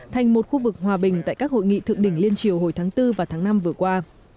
thành một khu vực hòa bình tại các hội nghị thượng đỉnh liên triều hồi tháng bốn và tháng năm vừa qua